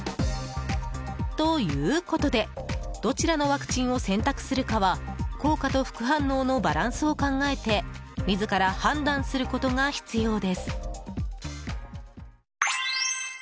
ということでどちらのワクチンを選択するかは効果と副反応のバランスを考えて自ら判断することが必要です。